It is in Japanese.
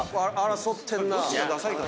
争ってんなぁ。